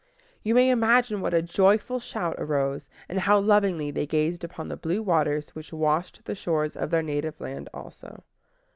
You may imagine what a joyful shout arose, and how lovingly they gazed upon the blue waters which washed the shores of their native land also.